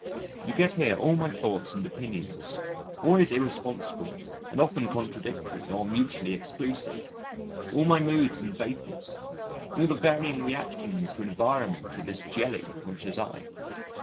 You get here all my thoughts and opinions, always irresponsible and often contradictory or mutually exclusive, all my moods and vapours, all the varying reactions to environment of this jelly which is I.